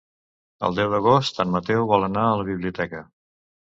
El deu d'agost en Mateu vol anar a la biblioteca.